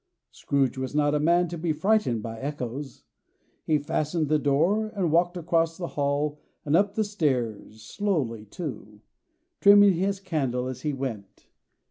Scrooge was not a man to be frightened by echoes. He fastened the door, and walked across the hall, and up the stairs; slowly too: trimming his candle as he went.